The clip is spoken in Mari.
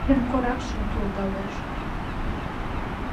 Шем коракше толдалеш